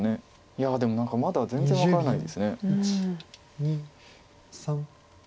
いやでも何かまだ全然分からないです。